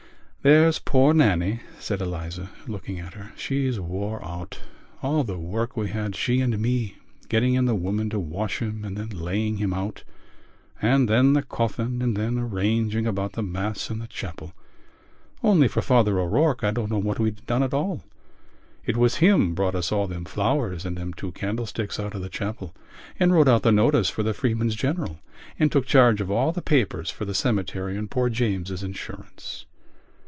"There's poor Nannie," said Eliza, looking at her, "she's wore out. All the work we had, she and me, getting in the woman to wash him and then laying him out and then the coffin and then arranging about the Mass in the chapel. Only for Father O'Rourke I don't know what we'd have done at all. It was him brought us all them flowers and them two candlesticks out of the chapel and wrote out the notice for the Freeman's General and took charge of all the papers for the cemetery and poor James's insurance."